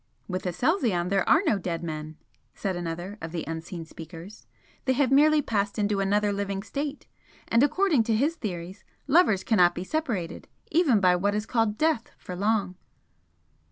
"With Aselzion there are no dead men" said another of the unseen speakers "They have merely passed into another living state. And according to his theories, lovers cannot be separated, even by what is called death, for long."